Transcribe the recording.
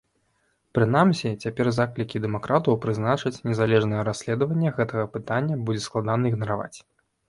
Прынамсі цяпер заклікі дэмакратаў прызначыць незалежнае расследаванне гэтага пытання будзе складана ігнараваць.